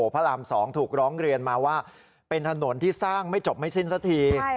พระราม๒ถูกร้องเรียนมาว่าเป็นถนนที่สร้างไม่จบไม่สิ้นสักที